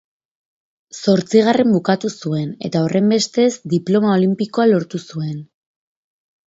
Zortzigarren bukatu zuen eta horrenbestez, diploma olinpikoa lortu zuen.